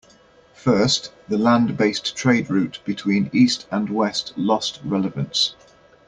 First, the land based trade route between east and west lost relevance.